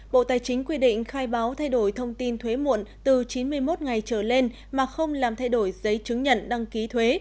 bộ tài chính quy định khai báo thay đổi thông tin thuế muộn từ chín mươi một ngày trở lên mà không làm thay đổi giấy chứng nhận đăng ký thuế